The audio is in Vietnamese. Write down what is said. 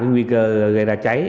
nguy cơ gây ra cháy